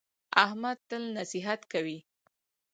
احمد تل نصیحت کوي.